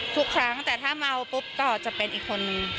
ทุกครั้งแต่ถ้าเมาปุ๊บก็จะเป็นอีกคนนึง